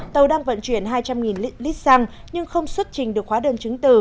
tàu đang vận chuyển hai trăm linh lít xăng nhưng không xuất trình được khóa đơn chứng từ